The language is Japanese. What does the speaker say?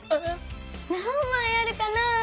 なんまいあるかなぁ？